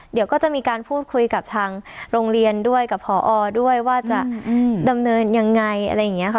เดี๋ยวก็จะมีการพูดคุยกับทางโรงเรียนด้วยกับพอด้วยว่าจะดำเนินยังไงอะไรอย่างนี้ค่ะ